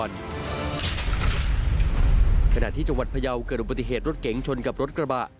ขณะที่จังหวัดพยาวเกิดอุบัติเหตุรถเก๋งชนกับรถกระบะ